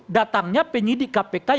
datangnya penyidik kpk